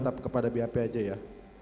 tetap kepada bap aja ya